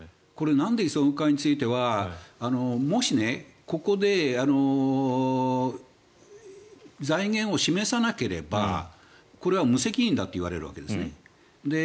なんで急ぐかについてはもしここで財源を示さなければこれは無責任だと言われるわけですね。